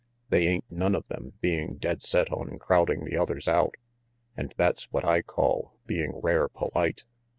"They ain't none of them being dead set on crowding the others out, and that's what I call being rare polite.